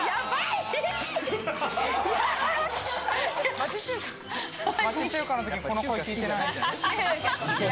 町中華の時この声聞いてない。